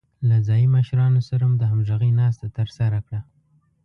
له ځايي مشرانو سره مو د همغږۍ ناسته ترسره کړه.